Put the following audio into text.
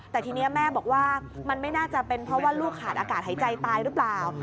แต่ทีนี้แม่บอกว่ามันไม่น่าจะเป็นเพราะว่าลูกขาดอากาศหายใจตายหรือเปล่า